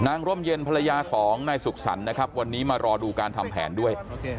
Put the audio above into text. ร่มเย็นภรรยาของนายสุขสรรค์นะครับวันนี้มารอดูการทำแผนด้วย